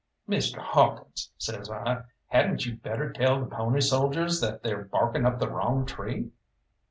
"Mr. Hawkins," says I, "hadn't you better tell the pony soldiers that they're barking up the wrong tree?"